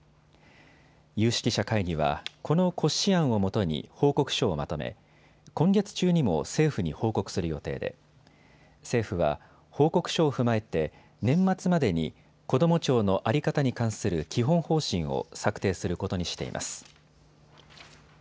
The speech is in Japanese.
有識者会議はこの骨子案をもとに報告書をまとめ今月中にも政府に報告する予定で政府は報告書を踏まえて年末までにこども庁の在り方に関する基本方針を策定することにしています。